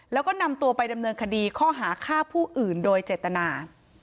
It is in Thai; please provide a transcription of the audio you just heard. แล้วก็นำตัวไปดำเนินคดีข้อหาฆ่าผู้อื่นโดยเจตนา